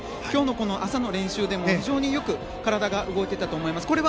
今日の朝の練習でも非常によく体が動いていたと思います。